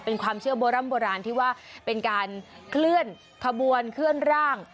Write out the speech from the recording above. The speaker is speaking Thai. เป็นความเชื่อโบร่ำโบราณที่ว่าเป็นการเคลื่อนขบวนเคลื่อนร่าง